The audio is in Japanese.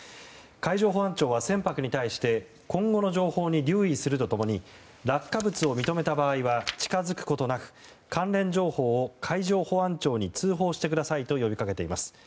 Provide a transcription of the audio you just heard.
海上保安庁は船舶に対して今後の情報に留意すると共に落下物を認めた場合は近づくことなく、関連情報を海上保安庁に通報してくださいと呼びかけています。